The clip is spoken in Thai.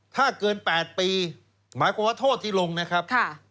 ถ้าเกิน๘ปีหมายความว่าโทษที่ลงนะครับ